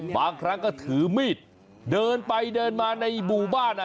บางครั้งก็ถือมีดเดินไปเดินมาในหมู่บ้าน